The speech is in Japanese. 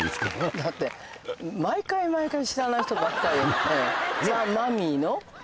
だって、毎回毎回知らない人ばっかりで。ザ・マミィの？